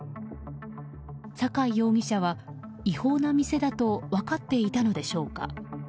酒井容疑者は、違法な店だと分かっていたのでしょうか。